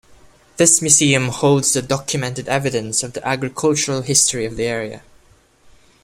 This Museum holds the documented evidence of the agricultural history of the area.